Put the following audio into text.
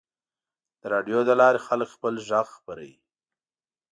د راډیو له لارې خلک خپل غږ خپروي.